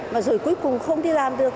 và rồi cuối cùng không đi làm được